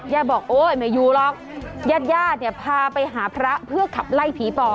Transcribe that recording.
บอกโอ๊ยไม่อยู่หรอกญาติญาติเนี่ยพาไปหาพระเพื่อขับไล่ผีปอบ